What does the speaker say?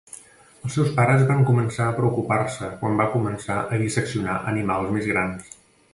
Els seus pares van començar a preocupar-se quan va començar a disseccionar animals més grans.